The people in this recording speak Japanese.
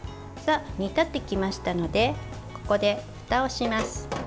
煮立ってきましたのでここでふたをします。